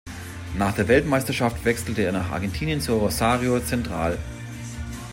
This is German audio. Nach der Weltmeisterschaft wechselte er nach Argentinien zu Rosario Central.